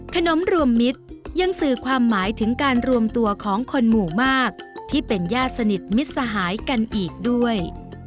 ขนมรวมมิตรยังสื่อความหมายถึงการรวมตัวของคนหมู่มากที่เป็นญาติสนิทมิตรสหายกันอีกด้วย